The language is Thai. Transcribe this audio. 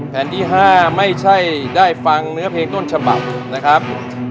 แผ่นที่๕ไม่ใช่ได้ฟังเนื้อเพลงต้นฉบับนะครับ